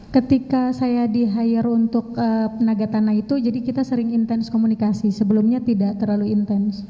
ketika saya di hire untuk tenaga tanah itu jadi kita sering intens komunikasi sebelumnya tidak terlalu intens